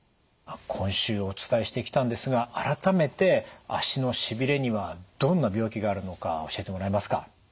今週お伝えしてきたんですが改めて足のしびれにはどんな病気があるのか教えてもらえますか？